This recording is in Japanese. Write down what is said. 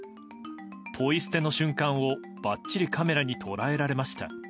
ポイ捨ての瞬間をばっちりカメラに捉えられました。